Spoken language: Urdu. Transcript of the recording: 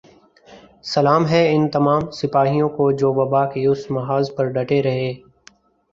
سلام ہے ان تمام سپاہیوں کو جو وبا کے اس محاذ پر ڈٹے رہے